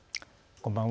こんばんは。